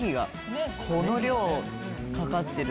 この量かかってると。